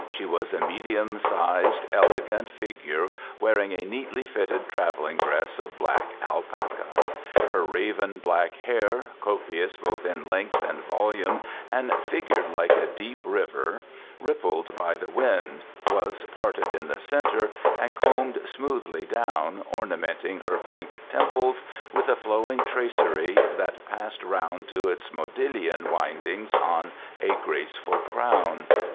She was a medium, sized, elegant figure, wearing a neatly fitted travelling dress of black alpaca. Her raven black hair, copious both in length and volume and figured like a deep river, rippled by the wind, was parted in the centre and combed smoothly down, ornamenting her pink temples with a flowing tracery that passed round to its modillion windings on a graceful crown.